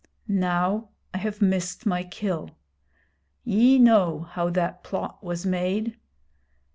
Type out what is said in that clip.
Now I have missed my kill. Ye know how that plot was made.